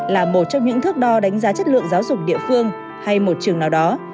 là một trong những thước đo đánh giá chất lượng giáo dục địa phương hay một trường nào đó